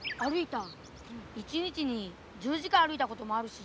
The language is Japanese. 一日に１０時間歩いたこともあるし